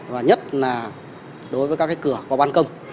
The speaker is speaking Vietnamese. và nhất là đối với các cái cửa có ban công